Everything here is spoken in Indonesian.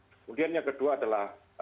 kemudian yang kedua adalah